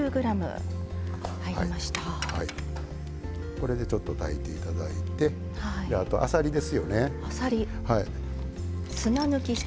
これでちょっと炊いていただいてあと、あさりですよね。